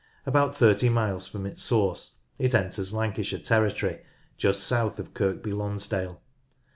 About 30 miles from its source it enters Lancashire territory just south of Kirkby Lonsdale.